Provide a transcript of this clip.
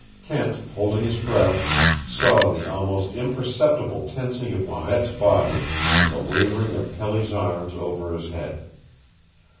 Kent, holding his breath, saw the almost imperceptible tensing of Marette's body and the wavering of Pelly's arms over his head.